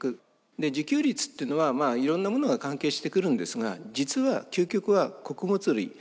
で自給率っていうのはいろんなものが関係してくるんですが実は究極は穀物類。